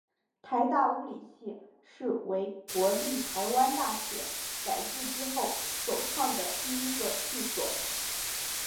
台大物理系是为国立台湾大学改制之后首创的第一个系所。